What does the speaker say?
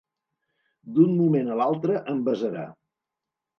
D'un moment a l'altre em besarà.